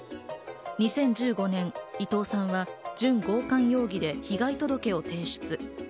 ２０１５年、伊藤さんは準強姦容疑で被害届を提出。